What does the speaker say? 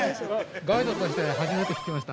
◆ガイドとして初めて聞きました。